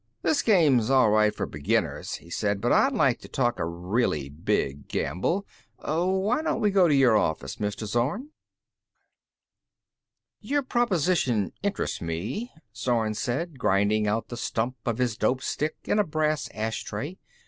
"This game's all right for beginners," he said. "But I'd like to talk a really big gamble. Why don't we go to your office, Mr. Zorn?" "Your proposition interests me," Zorn said, grinding out the stump of his dope stick in a brass ashtray.